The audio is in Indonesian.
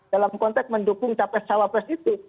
dalam konteks mendukung capres cawapres itu